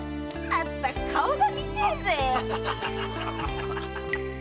まったく顔が見てえぜ！